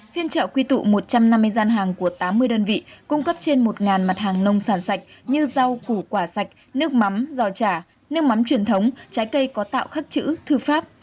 phiên trợ quy tụ một trăm năm mươi gian hàng của tám mươi đơn vị cung cấp trên một mặt hàng nông sản sạch như rau củ quả sạch nước mắm giò chả nước mắm truyền thống trái cây có tạo khắc chữ thư pháp